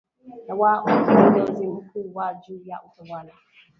na wa kiongozi mkuu wa juu wa utawala